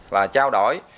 là trao đổi